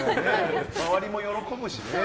周りも喜ぶしね。